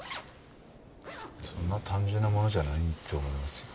そんな単純なものじゃないと思いますよ。